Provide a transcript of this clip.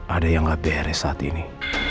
ada yang gak beres saat ini